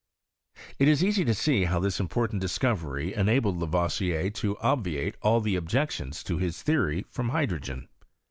It is easy to see how this important discovery enabled Lavoisier to obviate all the objections to his theory from hydrogen.